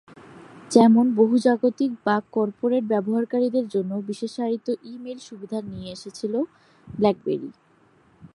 যেমন বহুজাতিক বা কর্পোরেট ব্যবহারকারীদের জন্য বিশেষায়িত ই-মেইল সুবিধা নিয়ে এসেছিল ব্ল্যাকবেরি।